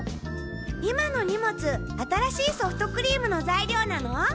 今の荷物新しいソフトクリームの材料なの？